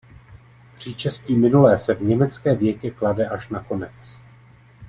Příčestí minulé se v německé větě klade až na konec.